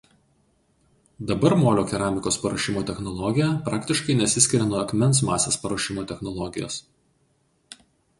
Dabar molio keramikos paruošimo technologija praktiškai nesiskiria nuo akmens masės paruošimo technologijos.